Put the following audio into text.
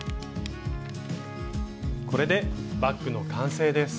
これでバッグの完成です。